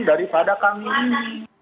daripada kami ini